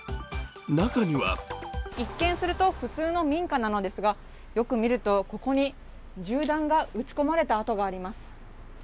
中には一見すると普通の民家なのですが、よく見るとここに銃弾が撃ち込まれた痕があります。